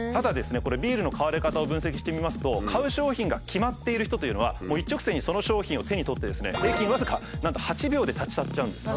ビールの買われ方を分析してみますと買う商品が決まっている人というのはもう一直線にその商品を手に取ってですね